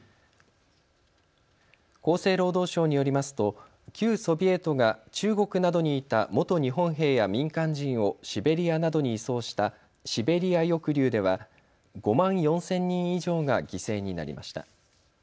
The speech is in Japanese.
厚生労働省によりますと旧ソビエトが中国などにいた元日本兵や民間人をシベリアなどに移送したシベリア抑留では５万４０００人以上が犠牲になりました。